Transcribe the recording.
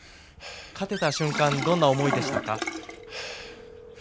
勝てたとき、どんな思いでしたか。